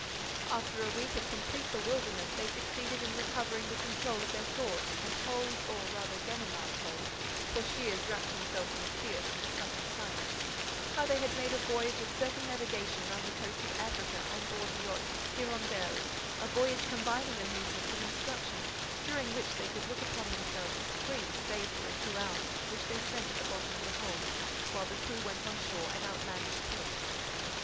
After a week of complete bewilderment, they succeeded in recovering the control of their thought and told—or rather Ganimard told, for Shears wrapped himself in a fierce and stubborn silence—how they had made a voyage of circumnavigation round the coast of Africa on board the yacht Hirondelle, a voyage combining amusement with instruction, during which they could look upon themselves as free, save for a few hours which they spent at the bottom of the hold, while the crew went on shore at outlandish ports.